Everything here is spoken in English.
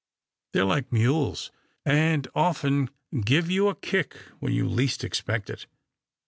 They're like mules, and often give you a kick when you least expect it.